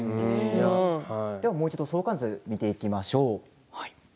もう一度相関図を見ていきましょう。